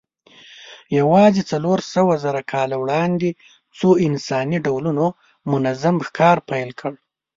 یواځې څلورسوهزره کاله وړاندې څو انساني ډولونو منظم ښکار پیل کړ.